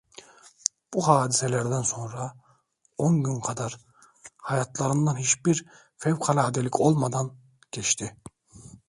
Bu hadiselerden sonra on gün kadar, hayatlarında hiçbir fevkaladelik olmadan, geçti.